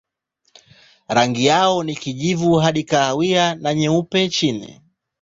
Rangi yao ni kijivu hadi kahawia na nyeupe chini.